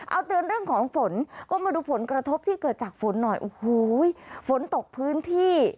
เอาเตือนเรื่องของฝนก็มาดูผลกระทบที่เกิดจากฝนหน่อยโอ้โหฝนตกพื้นที่